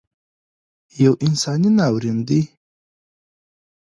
یو انساني ناورین دی